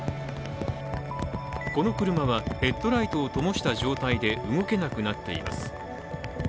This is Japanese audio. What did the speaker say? この車は、ヘッドライトをともした状態で動けなくなっています。